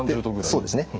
そうですね。